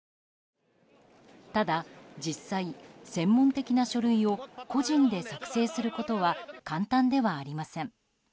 ただ、実際、専門的な書類を個人で作成することは簡単ではありません。